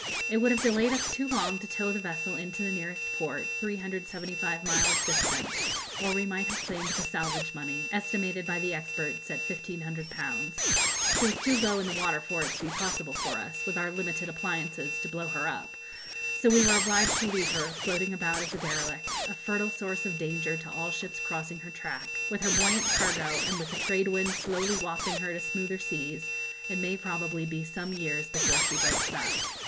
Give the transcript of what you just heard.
It would have delayed us too long to tow the vessel into the nearest port, 375 miles distant, or we might have claimed the salvage money, estimated by the experts at 1,500_l_. She was too low in the water for it to be possible for us, with our limited appliances, to blow her up; so we were obliged to leave her floating about as a derelict, a fertile source of danger to all ships crossing her track. With her buoyant cargo, and with the trade winds slowly wafting her to smoother seas, it may probably be some years before she breaks up.